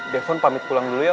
devon pamit pulang dulu ya om